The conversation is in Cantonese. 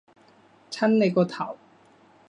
襯你個頭